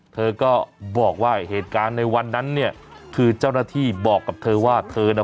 เธอก็บอกว่าเหตุการณ์ในวันนั้นเนี่ยคือเจ้าหน้าที่บอกกับเธอว่าเธอน่ะ